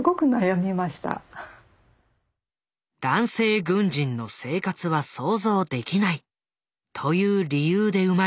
男性軍人の生活は想像できないという理由で生まれたオスカル。